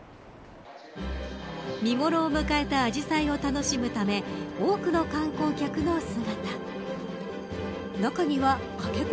見頃を迎えたアジサイを楽しむため多くの観光客の姿。